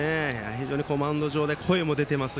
非常にマウンド上で声も出ています。